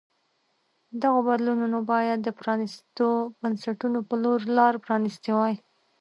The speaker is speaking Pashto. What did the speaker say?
دغو بدلونونو باید د پرانیستو بنسټونو په لور لار پرانیستې وای.